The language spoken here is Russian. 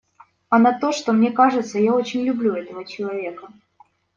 А на то, что, мне кажется, я очень люблю этого человека.